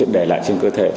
để lại trên cơ thể